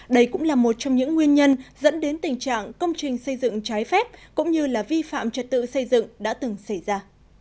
đây cũng là một trong những nguyên nhân dẫn đến tình trạng công trình xây dựng trái phép cũng như vi phạm trật tự xây dựng đã từng xảy ra